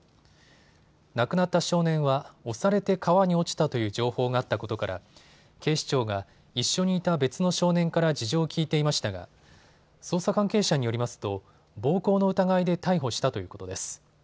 亡くなった少年は押されて川に落ちたという情報があったことから警視庁が一緒にいた別の少年から事情を聴いていましたが捜査関係者によりますと暴行の疑いで逮捕したということです。